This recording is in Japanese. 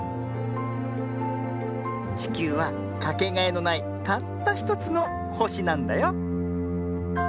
ちきゅうはかけがえのないたったひとつのほしなんだよ。